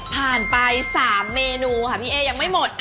ผ่านไป๓เมนูค่ะพี่เอ๊ยังไม่หมด